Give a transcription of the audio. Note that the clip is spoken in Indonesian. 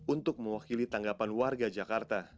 untuk mewakili tanggapan warga jakarta